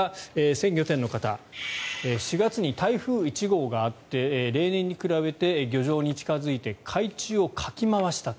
鮮魚店の方４月に台風１号があって例年に比べて漁場に近付いて海中をかき回した。